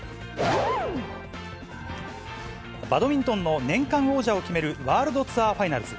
バドミントンの年間王者を決めるワールドツアーファイナルズ。